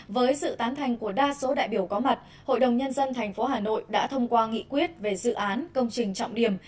với sự tán thành của đa số đại biểu có mặt hội đồng nhân dân tp hà nội đã thông qua nghị quyết về dự án công trình trọng điểm